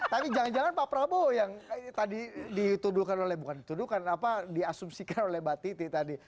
tapi jangan jangan pak prabowo yang tadi dituduhkan oleh bukan dituduhkan apa diasumsikan oleh mbak titi tadi